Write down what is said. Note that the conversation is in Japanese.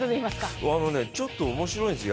ちょっと面白いんです。